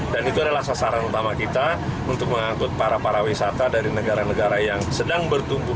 dan itu adalah sasaran utama kita untuk mengangkut para para wisata dari negara negara yang sedang bertumbuh